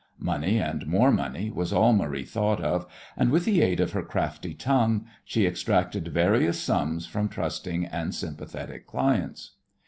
Money and more money was all Marie thought of, and, with the aid of her crafty tongue, she extracted various sums from trusting and sympathetic clients.